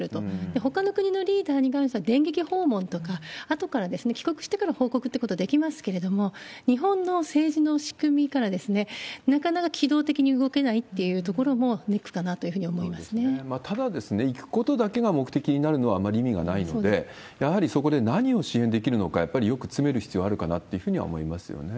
ほかの国のリーダーに関しては電撃訪問とか、あとから、帰国してから報告ってことができますけれども、日本の政治の仕組みから、なかなか機動的に動けないっていうところもネックかなというふうただ、行くことだけが目的になるのはあまり意味がないので、やはりそこで何を支援できるのか、やっぱりよく詰める必要あるかなっていうふうには思いますよね。